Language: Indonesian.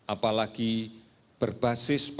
apalagi berbasis penyakit